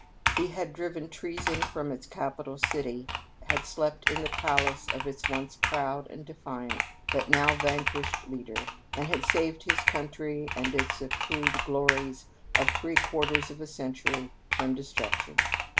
He had driven treason from its capital city, had slept in the palace of its once proud and defiant, but now vanquished leader, and had saved his country and its accrued glories of three quarters of a century from destruction.